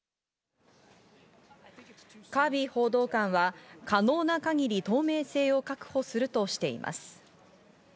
カービー報道官は、可能な限り透明性を確保するとしています。